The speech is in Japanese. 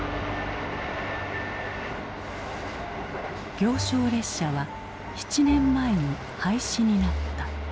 行商列車は７年前に廃止になった。